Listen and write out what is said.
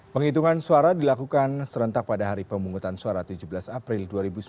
penghitungan suara dilakukan serentak pada hari pemungutan suara tujuh belas april dua ribu sembilan belas